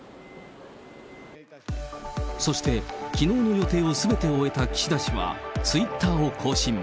そして、きのうの予定をすべて終えた岸田氏は、ツイッターを更新。